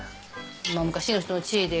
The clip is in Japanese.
昔の人の知恵で。